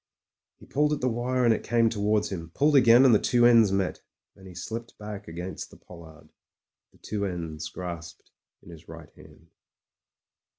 He pulled at the wire, and it came to wards him ; pulled again, and the two ends met. Then he slipped back against the pollard, the two ends grasped in his right hand.